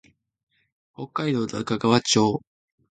北海道中川町